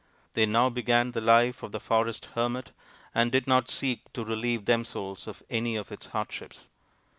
They now began the life of the forest hermit and did not seek to relieve themselves of any of its hardships.